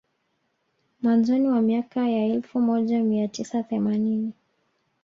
Mwanzoni mwa miaka ya elfu moja mia tisa themanini